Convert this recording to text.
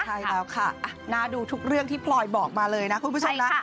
ใช่แล้วค่ะน่าดูทุกเรื่องที่พลอยบอกมาเลยนะคุณผู้ชมนะ